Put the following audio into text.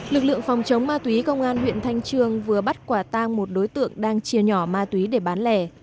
lực lượng phòng chống ma túy công an huyện thanh trương vừa bắt quả tang một đối tượng đang chia nhỏ ma túy để bán lẻ